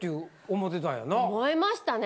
思いましたね。